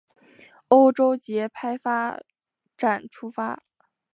欧洲节拍发展出来。